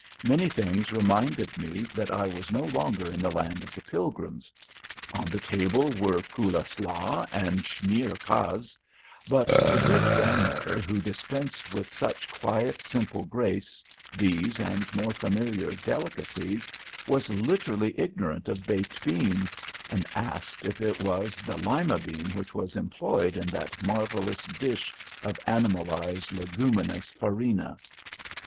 Many things reminded me that I was no longer in the land of the Pilgrims. On the table were Kool Slaa and Schmeer Kase, but the good grandmother who dispensed with such quiet, simple grace these and more familiar delicacies was literally ignorant of Baked Beans, and asked if it was the Lima bean which was employed in that marvellous dish of animalized leguminous farina!